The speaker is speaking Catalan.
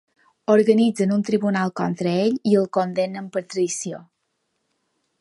Organitzen un tribunal contra ell, i el condemnen per traïció.